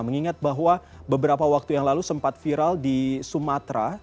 mengingat bahwa beberapa waktu yang lalu sempat viral di sumatera